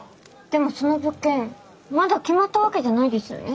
でもその物件まだ決まったわけじゃないですよね？